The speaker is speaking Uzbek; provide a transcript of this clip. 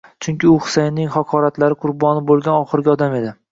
Chunki u Husaynning haqoratlari qurboni bo`lgan oxirgi odam edi